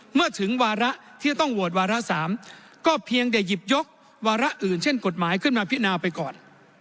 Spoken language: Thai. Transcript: เมื่อถึงวาระที่จะต้องโหวตวาระ๓ก็เพียงแต่หยิบยกวาระอื่นเช่นกฎหมายขึ้นมาพินาไปก่อน